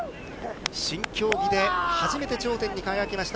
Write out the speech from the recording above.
新競技で初めて頂点に輝きました